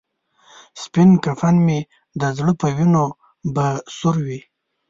سپین کفن مې د زړه په وینو به سور وي.